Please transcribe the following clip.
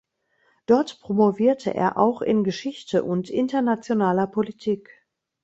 Dort promovierte er auch in Geschichte und internationaler Politik.